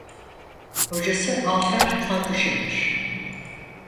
Hocası Altar Kalkışımdır.